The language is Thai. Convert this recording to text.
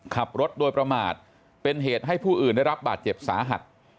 ขับรถโดยประมาทเป็นเหตุให้ผู้อื่นได้รับบาดเจ็บสาหัส